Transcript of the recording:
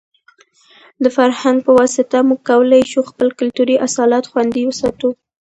د فرهنګ په واسطه موږ کولای شو خپل کلتوري اصالت خوندي وساتو.